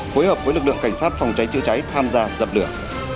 phối hợp với lực lượng cảnh sát phòng cháy chữa cháy tham gia dập lửa